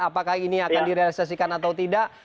apakah ini akan direalisasikan atau tidak